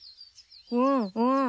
うんうん。